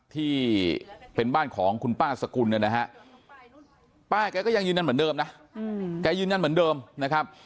ที่เป็นบ้านของคุณป้าสกุลเนี่ยนะฮะป้าแกก็ยังยืนยันเหมือนเดิมนะแกยืนยันเหมือนเดิมนะครับ